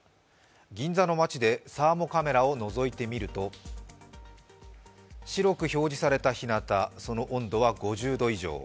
銀座の街でサーモカメラをのぞいてみると白く表示されたひなた、その温度は５０度以上。